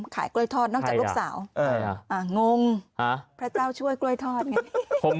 ขายกล้วยทอดนอกจากลูกสาวงงพระเจ้าช่วยกล้วยทอดไง